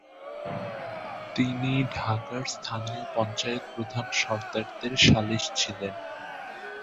তিনি ঢাকার স্থানীয় পঞ্চায়েত প্রধান সর্দারদের সালিস ছিলেন।